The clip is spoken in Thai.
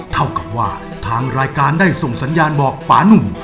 เท่ากับว่าทางรายการได้ส่งสัญญาณบอกป่านุ่ม